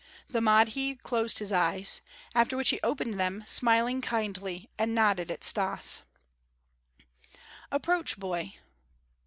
The Mahdi closed his eyelids, after which he opened them, smiling kindly, and nodded at Stas. "Approach, boy."